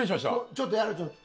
ちょっとやろう。